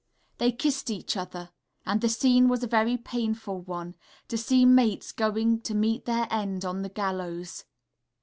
They kissed each other; and the scene was a very painful one, to see mates going to meet their end on the gallows.